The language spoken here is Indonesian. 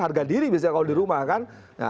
harga diri misalnya kalau di rumah kan